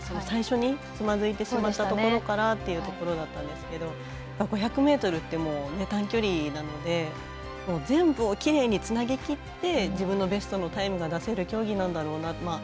最初につまずいてしまったところからというところだったんですが５００ｍって短距離なので全部をきれいにつなぎきって自分のベストのタイムが出せる競技なんだろうなって。